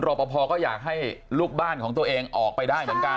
รอปภก็อยากให้ลูกบ้านของตัวเองออกไปได้เหมือนกัน